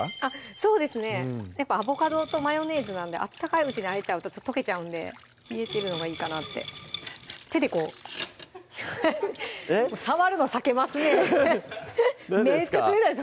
そうですねやっぱアボカドとマヨネーズなんで温かいうちにあえちゃうと溶けちゃうんで冷えてるのがいいかなって手でこう触るの避けますね何ですか？